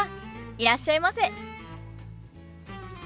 いらっしゃいませ。